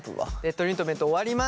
トリートメント終わりました。